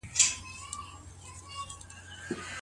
ولي مدام هڅاند د وړ کس په پرتله بریا خپلوي؟